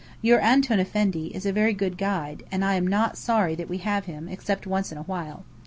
Your Antoun Effendi is a very good guide, and I am not sorry that we have him except once in a while.